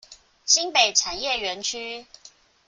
新北產業園區